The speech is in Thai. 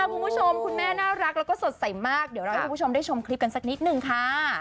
คุณผู้ชมคุณแม่น่ารักแล้วก็สดใสมากเดี๋ยวเราให้คุณผู้ชมได้ชมคลิปกันสักนิดนึงค่ะ